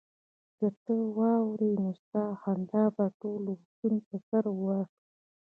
که ته واورې نو ستا خندا به ټول روغتون په سر واخلي